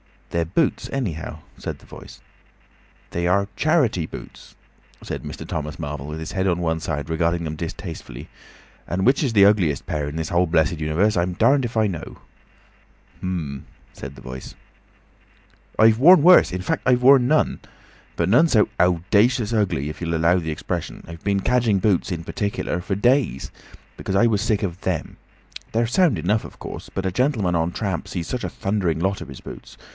"They're boots, anyhow," said the Voice. "They are—charity boots," said Mr. Thomas Marvel, with his head on one side regarding them distastefully; "and which is the ugliest pair in the whole blessed universe, I'm darned if I know!" "H'm," said the Voice. "I've worn worse—in fact, I've worn none. But none so owdacious ugly—if you'll allow the expression. I've been cadging boots—in particular—for days. Because I was sick of them. They're sound enough, of course. But a gentleman on tramp sees such a thundering lot of his boots.